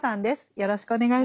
よろしくお願いします。